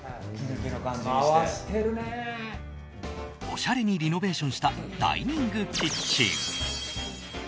おしゃれにリノベーションしたダイニングキッチン。